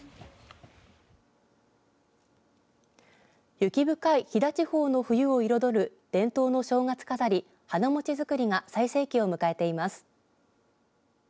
雪深い飛騨地方の冬を彩る伝統の正月飾り花もちづくりが最盛期を迎えています。